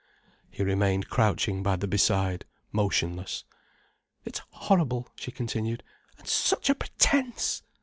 He remained crouching by the beside, motionless. "It's horrible," she continued, "and such a pretence!